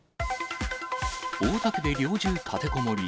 大田区で猟銃立てこもり。